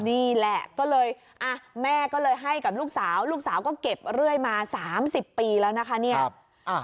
นี่แหละก็เลยอ่ะแม่ก็เลยให้กับลูกสาวลูกสาวก็เก็บเรื่อยมา๓๐ปีแล้วนะคะเนี่ย